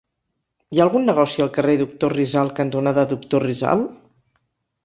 Hi ha algun negoci al carrer Doctor Rizal cantonada Doctor Rizal?